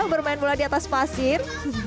bermain bola di atas pasir